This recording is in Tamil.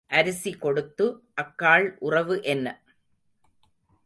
அரிசி கொடுத்து அக்காள் உறவு என்ன?